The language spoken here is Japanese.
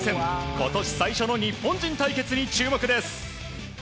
今年最初の日本人対決に注目です。